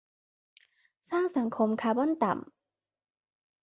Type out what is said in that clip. สร้างสังคมคาร์บอนต่ำ